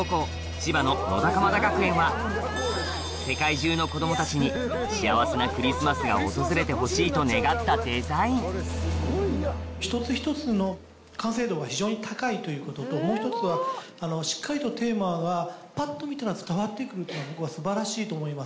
世界中の子どもたちに幸せなクリスマスが訪れてほしいと願ったデザイン一つ一つの完成度が非常に高いということともう一つはしっかりとテーマがパッと見たら伝わって来るというのは僕は素晴らしいと思います。